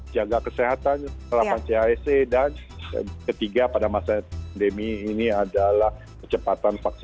jaga kesehatan terapan chse dan ketiga pada masa pandemi ini adalah kecepatan vaksinasi